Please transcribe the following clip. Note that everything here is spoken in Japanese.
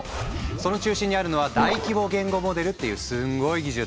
その中心にあるのは大規模言語モデルっていうスゴい技術。